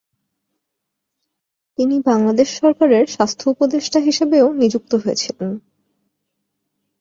তিনি বাংলাদেশ সরকারের স্বাস্থ্য উপদেষ্টা হিসেবেও নিযুক্ত হয়েছিলেন।